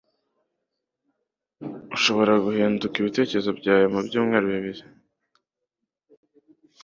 Urashobora guhindura ibitekerezo byawe mubyumweru bibiri.